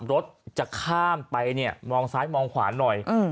รถจะข้ามไปเนี่ยมองซ้ายมองขวาหน่อย